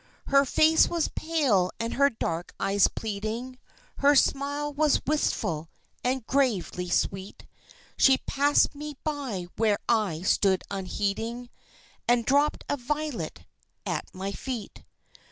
Her face was pale and her dark eyes pleading, Her smile was wistful and gravely sweet; She passed me by where I stood unheeding, And dropped a violet at my feet.